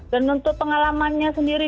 dan untuk pengalamannya sendiri